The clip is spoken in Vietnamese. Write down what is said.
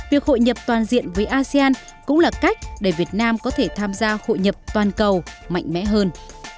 việc hội nhập toàn diện với asean cũng là cách để việt nam có thể tham gia hội nhập toàn cầu mạnh mẽ hơn